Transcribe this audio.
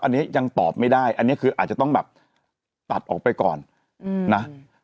อันนี้ยังตอบไม่ได้อันนี้คืออาจจะต้องแบบตัดออกไปก่อนนะ